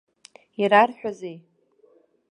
Ирарҳәозеи?